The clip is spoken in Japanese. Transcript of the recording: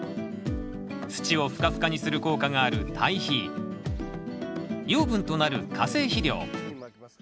土をふかふかにする効果がある堆肥養分となる化成肥料。